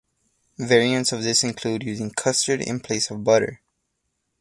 Variants of this include using custard in place of butter.